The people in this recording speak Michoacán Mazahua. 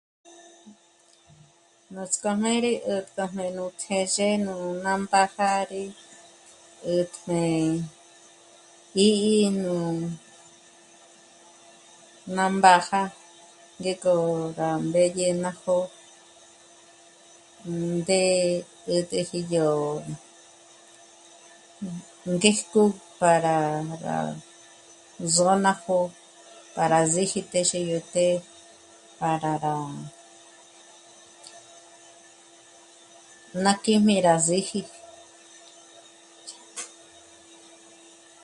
Nutsk'ójmé rí 'ä̀tkojmé nú téxe nú... ná mbája rí 'ä̀tjmé b'ígi nú... ná mbája ngék'o rá mbédye ná jó'o, ndé 'ä̀t'äji yó ngéjk'u para rá zó'o ná jó'o, para zíji téxe yó të́'ë, para rá... ná kíjmi rá síji